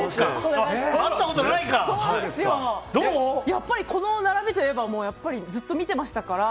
やっぱりこの並びといえばずっと見ていましたから。